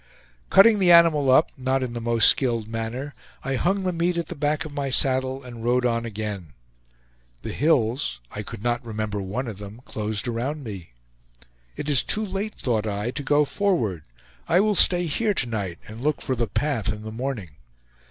Cutting the animal up, not in the most skilled manner, I hung the meat at the back of my saddle, and rode on again. The hills (I could not remember one of them) closed around me. "It is too late," thought I, "to go forward. I will stay here to night, and look for the path in the morning."